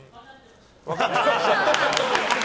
分かってました。